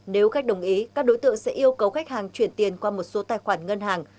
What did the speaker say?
nếu khách đồng ý các đối tượng sẽ yêu cầu khách hàng chuyển tiền qua một số tài khoản ngân hàng